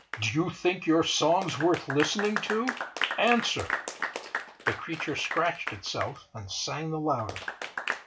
Do you think your songs worth listening to? Answer!" The creature scratched itself, and sang the louder.